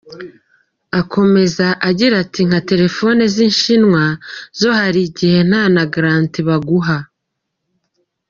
Akomeza agira ati : “Nka telefoni z’inshinwa zo hari igihe nta na garanti baguha.